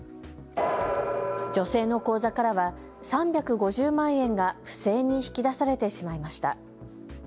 女性の口座からは３５０万円が不正に引き出されてしまいました。